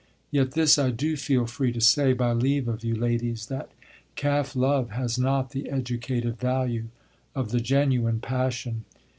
Yet this I do feel free to say, by leave of you ladies, that calf love has not the educative value of the genuine passion.